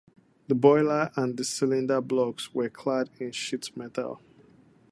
The boiler and the cylinder blocks were clad in sheet metal.